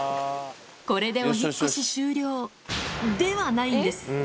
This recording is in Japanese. これでお引っ越し終了ではないんです。